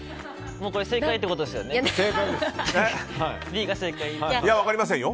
もうこれ正解ということですよね？